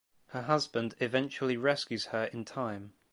Her husband eventually rescues her in time.